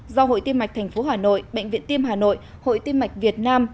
do hội tiêm mạch tp hà nội bệnh viện tim hà nội hội tiêm mạch việt nam